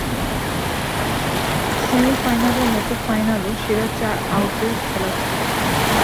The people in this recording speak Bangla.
সেমি-ফাইনালের মতো ফাইনালও সেরা চার-আউটের খেলা ছিল।